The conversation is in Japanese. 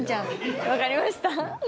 分かりました。